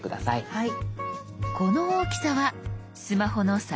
はい。